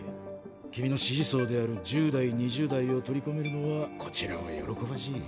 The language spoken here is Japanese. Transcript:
君の支持層である１０代２０代を取り込めるのはこちらも喜ばしい。